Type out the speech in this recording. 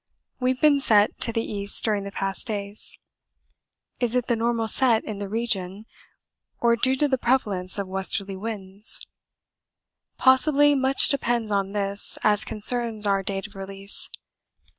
We have been set to the east during the past days; is it the normal set in the region, or due to the prevalence of westerly winds? Possibly much depends on this as concerns our date of release.